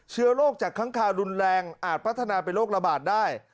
เชื้อโรคจากค้างคารุนแรงอาจพัฒนาเป็นโรคระบาดได้